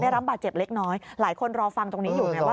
รับบาดเจ็บเล็กน้อยหลายคนรอฟังตรงนี้อยู่ไงว่า